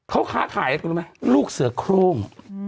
เขาขาขายรู้ไหมลูกเสือโครง